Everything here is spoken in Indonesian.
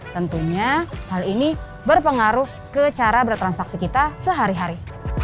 tentunya hal ini berpengaruh ke cara bertransaksi kita sehari hari